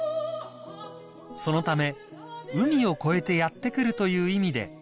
［そのため海を越えてやって来るという意味で］